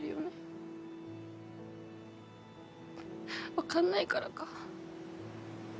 分かんないからか。